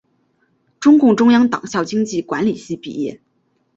中共中央党校经济管理系毕业。